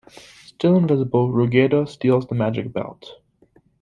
Still invisible, Ruggedo steals the magic belt.